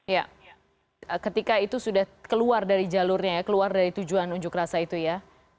ya ketika itu sudah keluar dari jalurnya ya keluar dari tujuan unjuk rasa itu ya